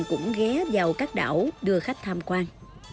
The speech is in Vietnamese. cũng ghé vào các đảo đưa khách tham quan